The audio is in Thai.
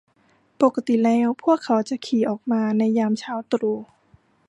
ปกติแล้วพวกเราจะขี่ออกมาในยามเช้าตรู่